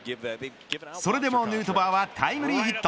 それでもヌートバーはタイムリーヒット。